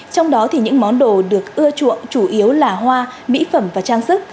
trong đó thì những món đồ được ưa chuộng chủ yếu là hoa mỹ phẩm và trang sức